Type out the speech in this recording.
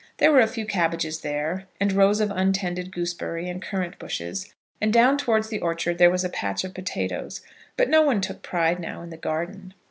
There were a few cabbages there, and rows of untended gooseberry and currant bushes, and down towards the orchard there was a patch of potatoes; but no one took pride now in the garden.